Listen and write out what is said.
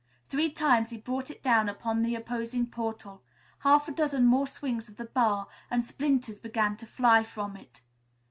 Three times he brought it down upon the opposing portal. Half a dozen more swings of the bar and splinters began to fly from it.